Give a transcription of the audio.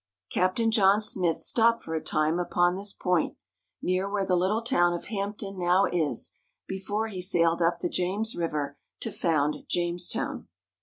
Captain John Smith stopped for a time upon this point, near where the Httle town of Hampton now is, before he sailed up the James River to found Jamestown.